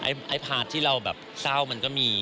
อีกแบบที่เราแบบเศร้ามันก็มี